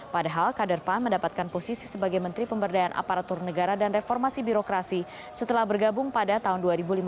padahal kader pan mendapatkan posisi sebagai menteri pemberdayaan aparatur negara dan reformasi birokrasi setelah bergabung pada tahun dua ribu lima belas